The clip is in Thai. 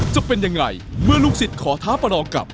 จะเป็นยังไงเมื่อลูกศิษย์ขอท้าประนองกับ